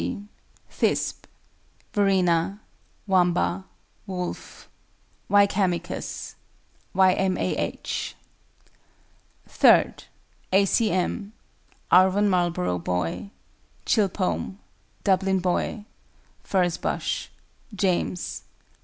S. S. G. THISBE. VERENA. WAMBA. WOLFE. WYKEHAMICUS. Y. M. A. H. III. A. C. M. ARVON MARLBOROUGH BOY. CHILPOME. DUBLIN BOY. FURZE BUSH. JAMES.